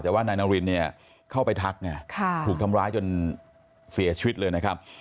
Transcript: แต่ว่านายนารินเนี่ยเข้าไปทักไงถูกทำร้ายจนเสียชีวิตเลยนะครับ